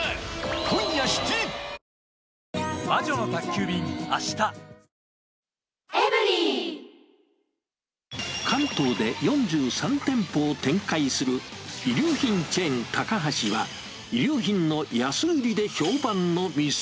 こうして、関東で４３店舗を展開する、衣料品チェーン、タカハシは、衣料品の安売りで評判の店。